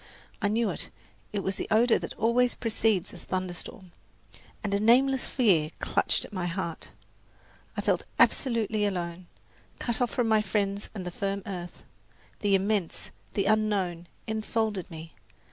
I knew it, it was the odour that always precedes a thunderstorm, and a nameless fear clutched at my heart. I felt absolutely alone, cut off from my friends and the firm earth. The immense, the unknown, enfolded me.